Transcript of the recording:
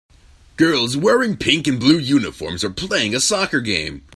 Girls wearing pink and blue uniforms are playing a soccer game.